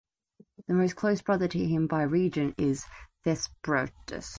The most close brother to him by region is Thesprotus.